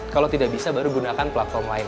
kalau tidak bisa baru gunakan platform lain